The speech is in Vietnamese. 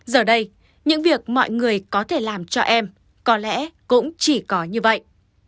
giờ đây những việc mọi người có thể làm cho em có lẽ cũng chỉ có như vậy